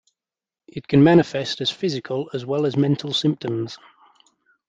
It can manifest as physical as well as mental symptoms.